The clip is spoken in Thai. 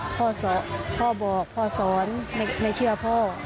พ่อสอนพ่อบอกพ่อสอนไม่เชื่อพ่อ